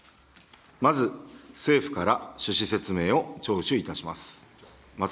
まず、政府から趣旨説明を聴取いたします。